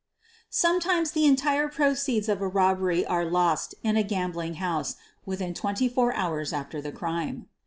Some times the entire proceeds of a robbery are lost in a gambling house within twenty four hours after the crime.